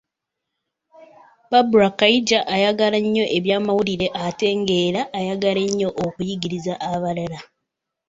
Barbara Kaija ayagala nnyo ebyamawulire ate ng'era ayagala nnyo okuyigiriza abalala